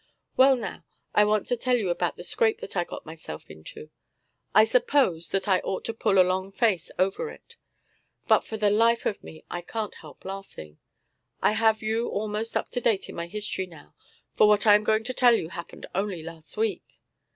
Well, now I want to tell you about the scrape that I got myself into. I suppose that I ought to pull a long face over it, but for the life of me I can't help laughing. I have you almost up to date in my history now, for what I am going to tell you happened only last week.